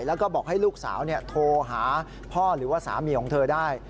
แล้วก็บอกให้ลูกสาวโทรหาพ่อหรือว่าสามีของเธอได้